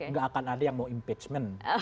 nggak akan ada yang mau impeachment